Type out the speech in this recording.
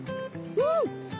うん！